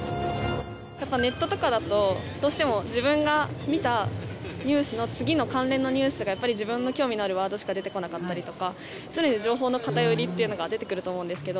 やっぱネットとかだとどうしても自分が見たニュースの次の関連のニュースが自分の興味のあるワードしか出てこなかったりとか常に情報の偏りっていうのが出てくると思うんですけど。